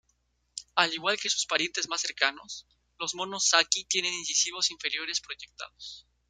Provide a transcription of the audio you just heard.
Al igual que sus parientes más cercanos, los monos saki, tienen incisivos inferiores proyectados.